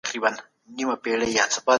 د محصولاتو تقاضا له وخت سره بدلیږي.